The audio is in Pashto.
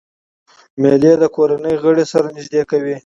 مېلې د کورنۍ غړي سره نږدې کوي.